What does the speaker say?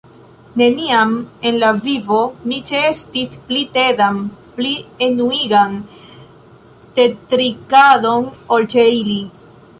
"Neniam en la vivo mi ĉeestis pli tedan pli enuigan tetrinkadon ol ĉe ili."